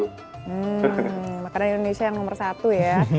hmm makanan indonesia yang nomor satu ya